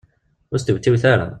Ur stewtiwet ara.